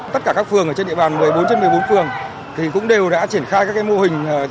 tất cả các phường ở trên địa bàn một mươi bốn trên một mươi bốn phường thì cũng đều đã triển khai các mô hình